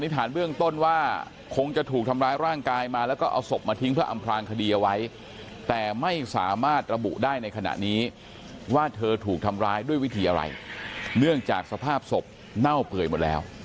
แต่ไม่สามารถระบุได้ในขณะนี้ว่าเธอถูกทำร้ายด้วยวิธีอะไรเนื่องจากสภาพศพเน่าเปลื่อยหมดแล้ว